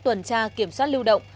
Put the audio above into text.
tuần tra kiểm soát lưu động